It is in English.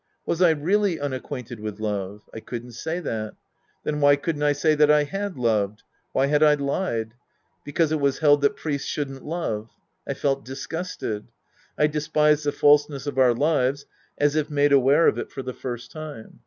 Was I really unacquainted v/ith love ? I couldn't say that. Then why couldn't I say that I had loved ? Why had I lied ? Because it was held that priests should'nt love. I felt disgusted. I despised the falseness of our lives as if made aware of it for the first time.